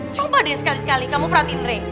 coba deh sekali sekali kamu perhatiin rey